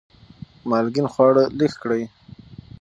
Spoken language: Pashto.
مالګین خواړه لږ کړئ.